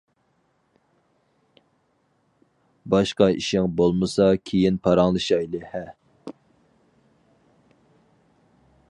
باشقا ئىشىڭ بولمىسا كېيىن پاراڭلىشايلى ھە.